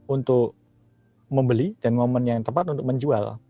untuk membeli dan membeli untuk menjual